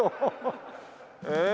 ええ？